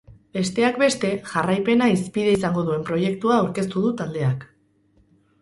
Besteak beste, jarraipena hizpide izango duen proiektua aurkeztu du taldeak.